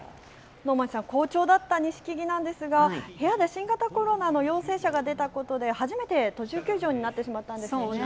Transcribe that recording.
能町さん、好調だった錦木なんですが、部屋で新型コロナの陽性者が出たことで、初めて途中休場になってしまったんですよね。